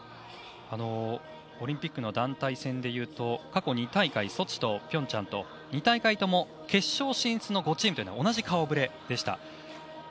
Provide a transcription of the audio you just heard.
オリンピックの団体戦でいうと過去２大会、ソチと平昌と２大会とも決勝進出の５チームは同じ顔触れでした。